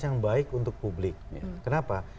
yang baik untuk publik kenapa